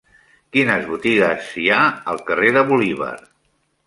Quines botigues hi ha al carrer de Bolívar?